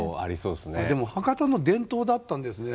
でも博多の伝統だったんですね。